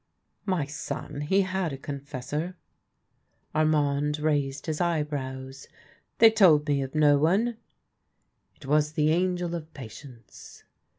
" My son, he had a confessor." Armand raised his eyebrows. " They told me of no one." " It was the Angel of Patience."